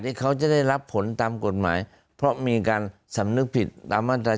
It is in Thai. ที่เขาจะได้รับผลตามกฎหมายเพราะมีการสำนึกผิดตามมาตรา๑